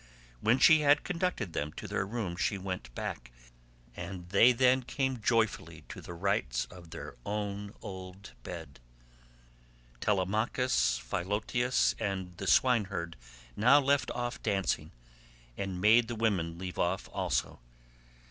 When she had conducted them to their room she went back, and they then came joyfully to the rites of their own old bed. Telemachus, Philoetius, and the swineherd now left off dancing, and made the women leave off also.